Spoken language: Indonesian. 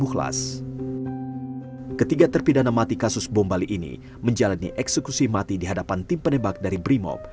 ketiga terpidana mati kasus bom bali ini menjalani eksekusi mati di hadapan tim penebak dari brimob